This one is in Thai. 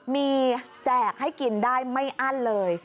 มีแจกให้กินได้ไม่อั้นเลย